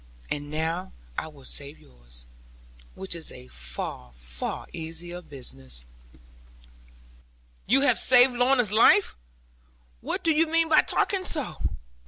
And now I will save yours; which is a far, far easier business.' 'You have saved my Lorna's life! What do you mean by talking so?'